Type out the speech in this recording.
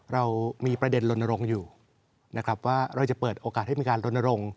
เรามีประเด็นลนรงอยู่ว่าเราจะเปิดโอกาสให้มีการลนรง